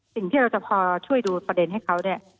สิ่งที่เราจะพอช่วยดูประเด็นให้เขาเนี่ย